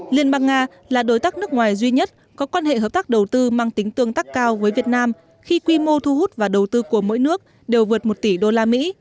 liên bang nga là đối tác nước ngoài duy nhất có quan hệ hợp tác đầu tư mang tính tương tác cao với việt nam khi quy mô thu hút và đầu tư của mỗi nước đều vượt một tỷ đô la mỹ